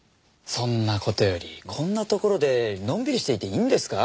そんな事よりこんなところでのんびりしていていいんですか？